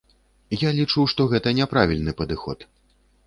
Я лічу, што гэта няправільны падыход.